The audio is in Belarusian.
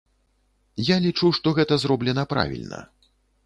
Я лічу, што гэта зроблена правільна.